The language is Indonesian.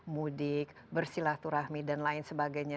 mudik bersilah turahmi dan lain sebagainya